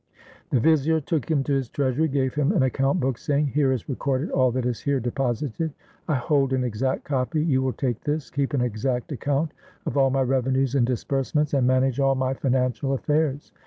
The vizier took him to his treasury, gave him an account book, saying, "Here is recorded all that is here deposited. I hold an exact copy. You will take this, keep an exact account of all my revenues and disburse ments, and manage all my financial affairs.